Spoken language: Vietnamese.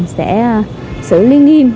sẽ xử lý nghiêm